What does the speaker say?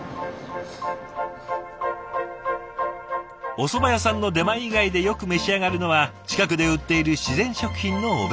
おそば屋さんの出前以外でよく召し上がるのは近くで売っている自然食品のお弁当。